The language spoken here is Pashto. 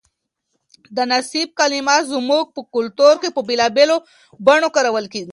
د نصیب کلمه زموږ په کلتور کې په بېلابېلو بڼو کارول کېږي.